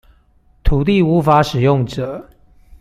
土地無法使用者